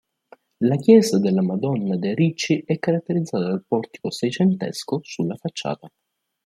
La chiesa della Madonna de' Ricci è caratterizzata dal portico seicentesco sulla facciata.